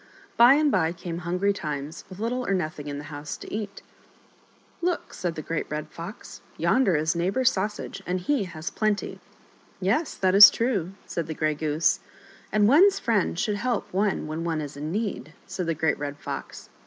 By and by came hungry times, with little or nothing in the house to eat. " Look !" said the Great Red Fox, " yonder is Neighbor Sausage, and he has plenty." " Yes, that is true," said the Grey Goose. " And one's friend should help one when one is in need," said the great Red Fox.